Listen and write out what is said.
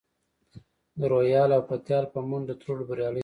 د روهیال او پتیال په منډو ترړو بریالی شوم.